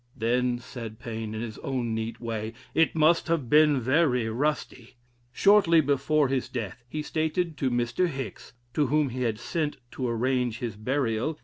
"Then," said Paine, in his own neat way, "it must have been very rusty." Shortly before his death, he stated to Mr. Hicks, to whom he had sent to arrange his burial?